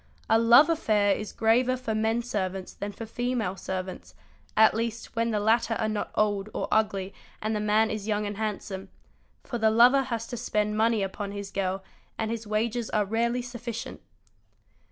A love affair is graver for men servants than for female servants—at least when the latter are not old or ugly and the man is young and handsome; | for the lover has to spend money upon his girl and his wages are rarely ] sufficient.